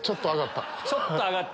ちょっと挙がった。